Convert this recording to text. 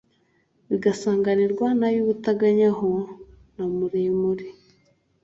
bigasanganirwa n' ab' i butagabanya ho na muremure,